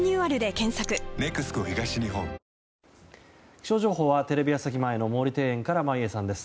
気象情報はテレビ朝日前の毛利庭園から眞家さんです。